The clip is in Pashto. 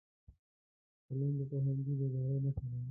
قلم د فرهنګي بیدارۍ نښه ده